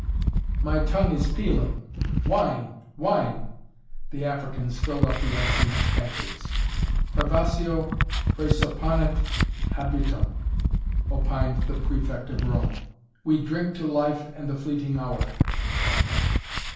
"My tongue is peeling!" "Wine! Wine!" The Africans filled up the empty tankards. "Privatio praesupponit habitum!" opined the Prefect of Rome. "We drink to Life and the fleeting Hour."